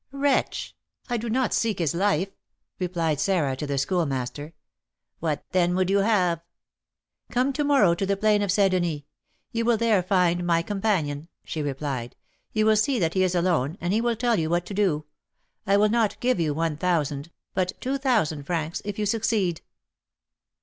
"Wretch! I do not seek his life," replied Sarah to the Schoolmaster. "What, then, would you have?" "Come to morrow to the plain of St. Denis; you will there find my companion," she replied; "you will see that he is alone, and he will tell you what to do. I will not give you one thousand, but two thousand, francs, if you succeed."